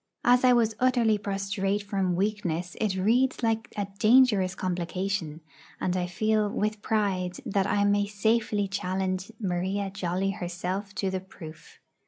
As I was utterly prostrate from weakness, it reads like a dangerous complication; and I feel with pride that I may safely challenge Maria Jolly herself to the proof.